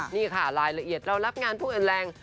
นี่ค่ะรายละเอียดเรารับงานผู้อื่นแรง